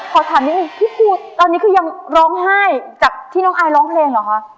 ขอถามนิดนึงพี่ปูตอนนี้คือยังร้องไห้จากที่น้องอายร้องเพลงเหรอคะ